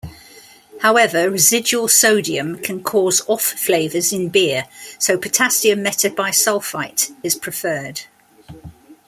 However, residual sodium can cause off flavors in beer so potassium metabisulfite is preferred.